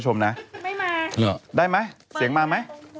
จากธนาคารกรุงเทพฯ